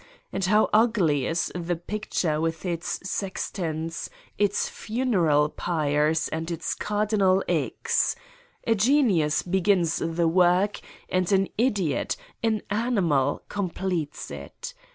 And how ugly is its picture with its sextons, its 196 Satan's Diary funeral pyres and its Cardinal X. ! A genius be gins the work and an idiot, an animal, completes it.